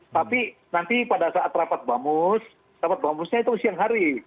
tapi nanti pada saat rapat bamus rapat bamusnya itu siang hari